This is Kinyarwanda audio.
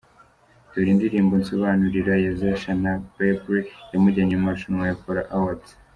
Dore indirimbo Nsobanurira ya Sacha na Bablee yamujyanye mu marushanwa ya Kora Awards :.